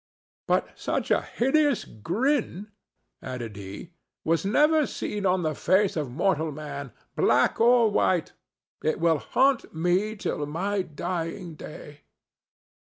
"But such a hideous grin," added he, "was never seen on the face of mortal man, black or white. It will haunt me till my dying day."